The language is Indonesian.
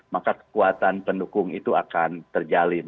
maka kekuatan pendukung itu akan terjalin